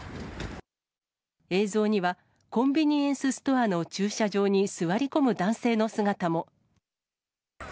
映像には、コンビニエンスストアの駐車場に座り込む男性の姿も。